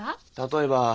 例えば？